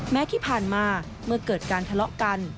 แม้ที่ผ่านมาเมื่อเกิดการทะเลาะกัน